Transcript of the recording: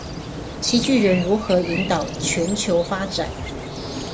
七巨人如何引領全球發展